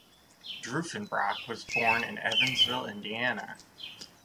Drufenbrock was born in Evansville, Indiana.